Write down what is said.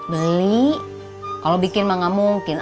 beli kalau bikin nggak mungkin